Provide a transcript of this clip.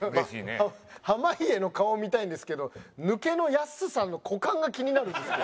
濱家の顔を見たいんですけど抜けの安さんの股間が気になるんですよ。